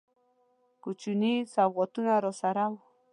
کوچني سوغاتونه راسره وه.